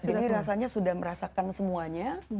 jadi rasanya sudah merasakan semuanya